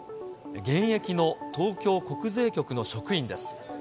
現役の東京国税局の職員です。